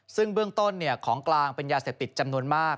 ซึ่งเบื้องต้นของกลางเป็นยาเสพติดจำนวนมาก